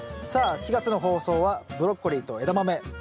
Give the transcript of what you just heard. さあ４月の放送はブロッコリーとエダマメ。